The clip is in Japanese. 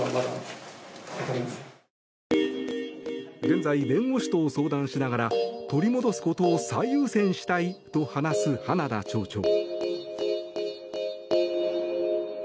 現在、弁護士と相談しながら取り戻すことを最優先したいと話す花田町長。